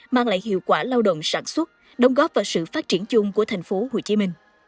mang lại hiệu quả lao động sản xuất đồng góp vào sự phát triển chung của tp hcm